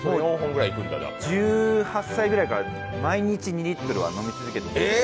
１８歳ぐらいから毎日２リットルは飲み続けています。